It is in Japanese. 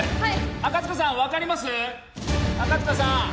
赤塚さん